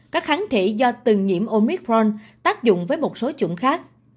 các kháng thủy do từng nhiễm omicron tác dụng với một số chủng khác